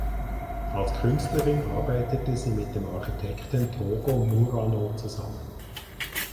Als Künstlerin arbeitete sie mit dem Architekten Togo Murano zusammen.